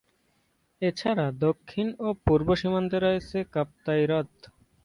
এছাড়া দক্ষিণ ও পূর্ব সীমান্তে রয়েছে কাপ্তাই হ্রদ।